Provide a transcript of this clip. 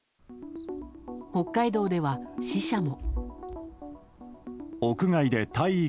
北海道では死者も。